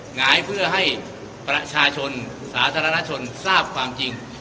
หงายเพื่อให้ประชาชนสาธารณชนทราบความจริง